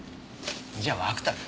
じゃあ涌田か。